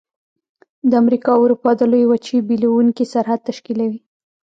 د امریکا او اروپا د لویې وچې بیلونکی سرحد تشکیلوي.